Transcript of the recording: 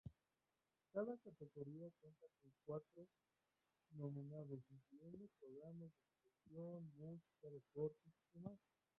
Cada categoría cuenta de cuatro nominados, incluyendo programas de televisión, música, deportes y más.